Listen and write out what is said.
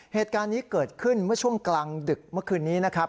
เหตุการณ์นี้เกิดขึ้นเมื่อช่วงกลางดึกเมื่อคืนนี้นะครับ